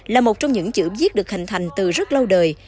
là một trong những chữ b được hành thành từ rất lâu đời